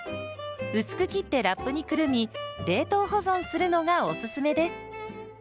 薄く切ってラップにくるみ冷凍保存するのがおすすめです。